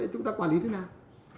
thế chúng ta quản lý thế nào